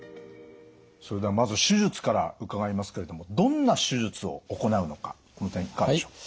それではまず手術から伺いますけれどもどんな手術を行うのかこの点いかがでしょう？